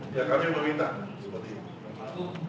ya kami meminta seperti itu